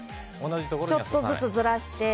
ちょっとずつずらして。